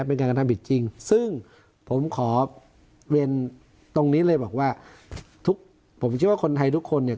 เป็นการกระทำผิดจริงซึ่งผมขอเวียนตรงนี้เลยบอกว่าทุกผมคิดว่าคนไทยทุกคนเนี่ย